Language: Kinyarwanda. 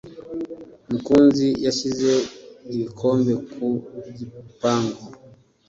Mukunzi yashyize ibikombe ku gipangu.